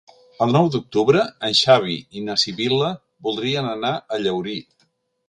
El nou d'octubre en Xavi i na Sibil·la voldrien anar a Llaurí.